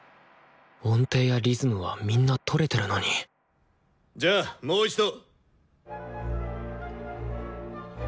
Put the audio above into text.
音程やリズムはみんなとれてるのにじゃあもう一度。